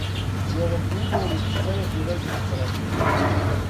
У овом уговору све је урађено коректно.